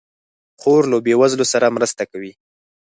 خور له بېوزلو سره مرسته کوي.